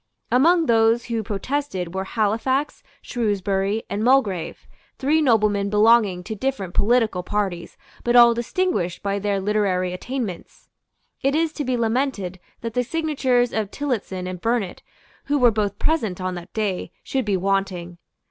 Among those who protested were Halifax, Shrewsbury and Mulgrave, three noblemen belonging to different political parties, but all distinguished by their literary attainments. It is to be lamented that the signatures of Tillotson and Burnet, who were both present on that day, should be wanting.